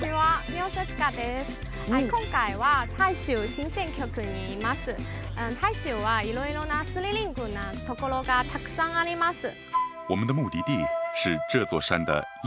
台州はいろいろなスリリングなところがたくさんあります。